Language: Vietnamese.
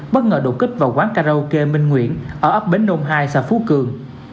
bất ngờ đột kích vào quán karaoke minh nguyễn ở ấp bến đông hai xã phú cường